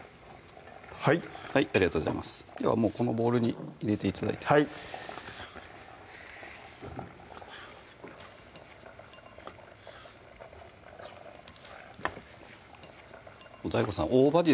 はいありがとうございますではこのボウルに入れて頂いてはいＤＡＩＧＯさん大葉じ